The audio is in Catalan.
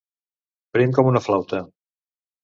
Prim com una flauta.